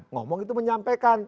ngomong itu menyampaikan